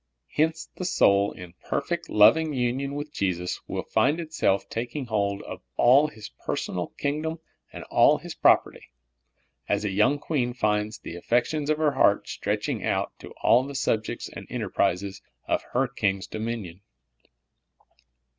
Hence the soul in perfect, loving 26 SOUL FOOD. union with Jesus will find itself taking hold of all His personal kingdom and all His propert}', as a young queen finds the affections of her heart stretching out to all the subjects and enterprises of her king's do minion.